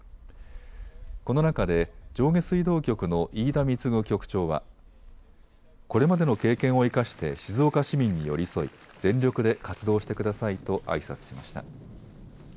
この中で上下水道局の飯田貢局長は、これまでの経験を生かして静岡市民に寄り添い全力で活動してくださいとあいさつしました。